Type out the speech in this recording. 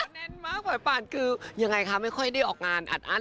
แน่นมากปล่อยปานคือยังไงคะไม่ค่อยได้ออกงานอัดอั้น